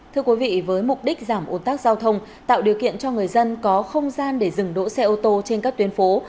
thưa quý vị với mục đích giảm ồn tắc giao thông tạo điều kiện cho người dân có không gian để dừng đỗ xe ô tô trên các tuyến phố